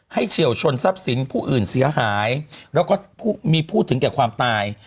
เฉียวชนทรัพย์สินผู้อื่นเสียหายแล้วก็มีพูดถึงแก่ความตาย